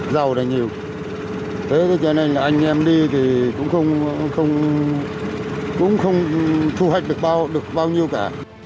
giá xăng dầu này nhiều thế cho nên là anh em đi thì cũng không thu hoạch được bao nhiêu cả